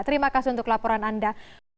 terima kasih untuk laporan anda